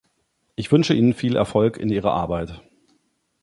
Ich wünsche Ihnen viel Erfolg in Ihrer Arbeit.